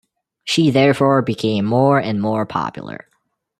She therefore became more and more popular.